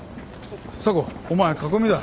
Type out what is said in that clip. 査子お前囲みだ。